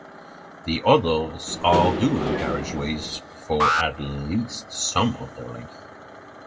The others are dual carriageway for at least some of their length.